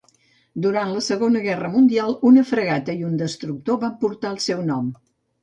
Durant la Segona Guerra Mundial una fragata i un destructor van portar el seu nom.